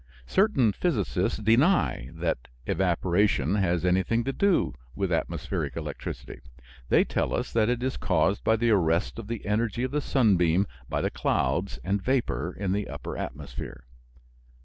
Certain physicists deny that evaporation has anything to do with atmospheric electricity. They tell us that it is caused by the arrest of the energy of the sunbeam by the clouds and vapor in the upper atmosphere.